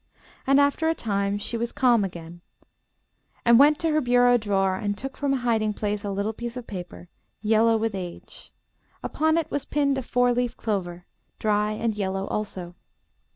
And after a time she was calm again, and went to her bureau drawer and took from a hiding place a little piece of paper, yellow with age. Upon it was pinned a four leaved clover, dry and yellow also.